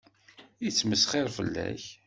Yettmesxiṛ fell-ak.